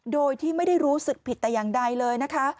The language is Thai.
โดยที่ไม่ได้รู้สึกผิดแต่อย่างใดเลยนะคะ